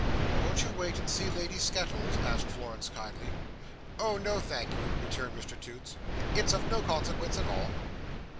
"Won't you wait and see Lady Skettles?" asked Florence, kindly. "Oh no, thank you," returned Mr Toots, "it's of no consequence at all."